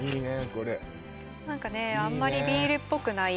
これ何かねあんまりビールっぽくない